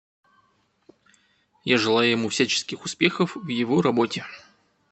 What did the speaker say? Я желаю ему всяческих успехов в его работе.